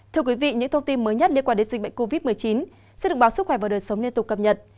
thưa quý vị những thông tin mới nhất liên quan đến dịch bệnh covid một mươi chín sẽ được báo sức khỏe và đời sống liên tục cập nhật